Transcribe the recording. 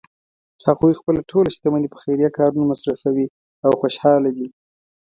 هغوی خپله ټول شتمني په خیریه کارونو مصرفوی او خوشحاله دي